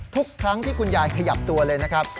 ทุกครั้งที่คุณยายขยับตัวเลยนะครับ